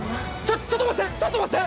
ちょっと待って！